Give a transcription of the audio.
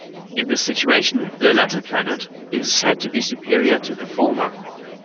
In this situation, the latter planet is said to be superior to the former.